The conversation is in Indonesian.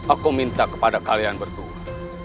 aku minta kepada kalian berdua